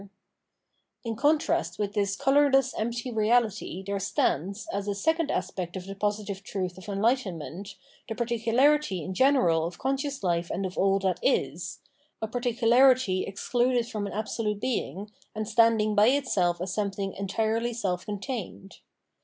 The Struggle of Enlightenment with Suferstition 567 la contrast with this colourless empty Eeality there stands, as a second aspect of the positive truth of enlightenment, the particularity in general of conscious life and of all that is :— a particularity excluded from an absolute Being, and standing by itself as some thing entirely self contained.